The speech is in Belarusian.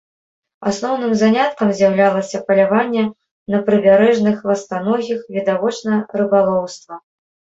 Асноўным заняткам з'яўлялася паляванне на прыбярэжных ластаногіх, відавочна рыбалоўства.